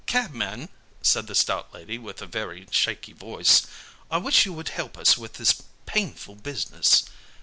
"'Cabman,' said the stout lady, with a very shaky voice, 'I wish you would help us in this painful business.'